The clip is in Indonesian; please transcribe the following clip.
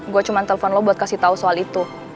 gue cuma telepon lo buat kasih tau soal itu